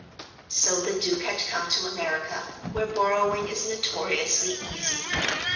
So the Duke had come to America, where borrowing is notoriously easy.